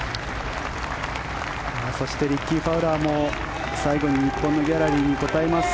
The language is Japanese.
そしてリッキー・ファウラーも最後に日本のギャラリーに応えます。